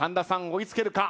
追い付けるか。